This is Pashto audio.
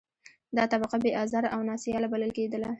دا طبقه بې آزاره او نا سیاله بلل کېدله.